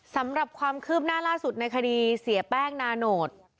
สำหรับความคืบหน้าล่าสุดในคดีเสียแป้งนาโนต